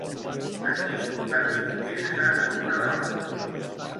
A qui va dirigir-se una dona?